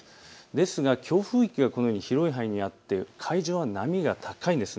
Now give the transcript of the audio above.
ですが強風域がこのように広い範囲にあって海上は波が高いんです。